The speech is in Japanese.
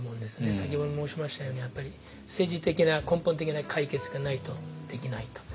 先ほど申しましたようにやっぱり政治的な根本的な解決がないとできないと。